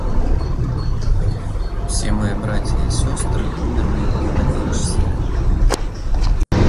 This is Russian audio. Все мои братья и сестры умерли во младенчестве.